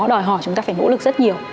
đòi hỏi chúng ta phải nỗ lực rất nhiều